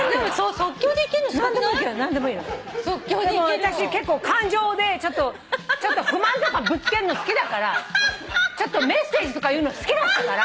私結構感情でちょっと不満とかぶつけるの好きだからちょっとメッセージとか言うの好きだったから。